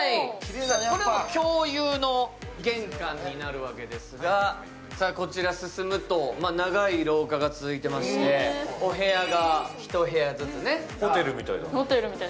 共有の玄関になるわけですがこちら進むと長い廊下が続いていましてお部屋が１部屋ずつね。